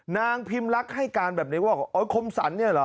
นางพิมลักษณ์ให้การแบบนี้ว่าโอ๊ยคมสรรเนี่ยเหรอ